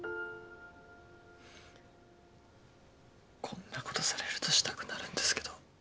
こんなことされるとしたくなるんですけど。